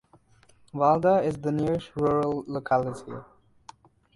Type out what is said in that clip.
Valga is the nearest rural locality.